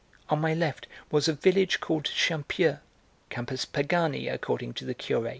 On my left was a village called Champieu (Campus Pagani, according to the Curé).